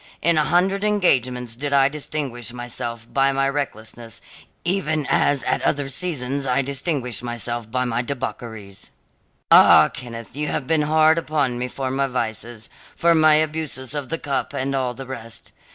In a hundred engagements did I distinguish myself by my recklessness even as at other seasons I distinguished myself by my debaucheries. "Ah, Kenneth, you have been hard upon me for my vices, for my abuses of the cup, and all the rest.